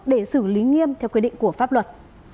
để xử lý nghiêm theo quy định của pháp luật